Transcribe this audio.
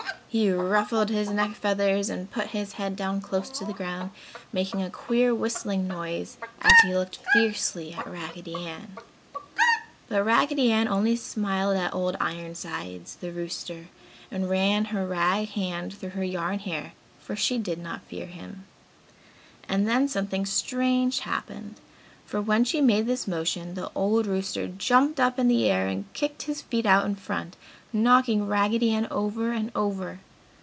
He ruffled his neck feathers and put his head down close to the ground, making a queer whistling noise as he looked fiercely at Raggedy Ann. But Raggedy Ann only smiled at Old Ironsides, the rooster, and ran her rag hand through her yarn hair for she did not fear him. And then something strange happened, for when she made this motion the old rooster jumped up in the air and kicked his feet out in front, knocking Raggedy Ann over and over.